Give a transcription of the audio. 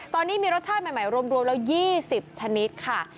ตอนนี้มีรสชาติใหม่รวมแล้ว๒๐ชนิดค่ะ